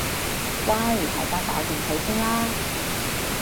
喂大家搞掂佢先啦